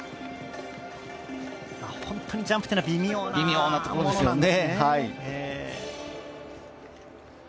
本当にジャンプというのは微妙なものなんですね。